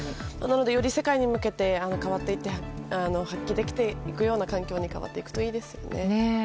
より世界に向けて変わっていって発揮できていくような環境に変わっていくといいですね。